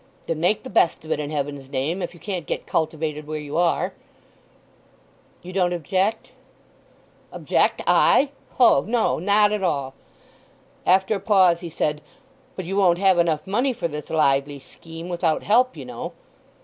"Then make the best of it, in Heaven's name—if you can't get cultivated where you are." "You don't object?" "Object—I? Ho—no! Not at all." After a pause he said, "But you won't have enough money for this lively scheme without help, you know?